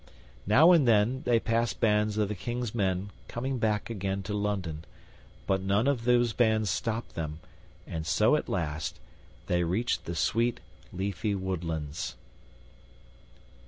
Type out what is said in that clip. Now and then they passed bands of the King's men coming back again to London, but none of those bands stopped them, and so, at last, they reached the sweet, leafy woodlands.